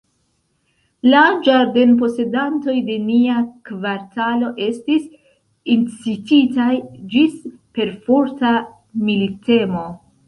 La ĝardenposedantoj de nia kvartalo estis incititaj ĝis perforta militemo.